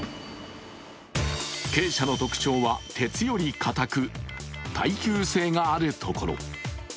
珪砂の特徴は鉄より固く耐久性があるところ。